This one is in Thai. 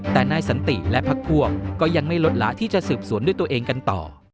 แต่นายสันติและพักพวกก็ยังไม่ลดละที่จะสืบสวนด้วยตัวเองกันต่อ